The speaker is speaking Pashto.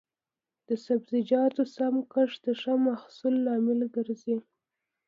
د سبزیجاتو سم کښت د ښه محصول لامل ګرځي.